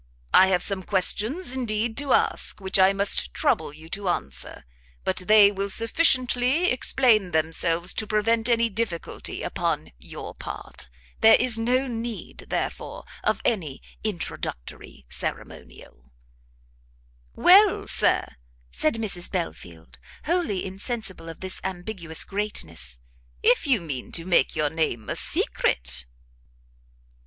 I have some questions, indeed, to ask, which I must trouble you to answer, but they will sufficiently explain themselves to prevent any difficulty upon your part. There is no need, therefore, of any introductory ceremonial." "Well, Sir," said Mrs Belfield, wholly insensible of this ambiguous greatness, "if you mean to make your name a secret."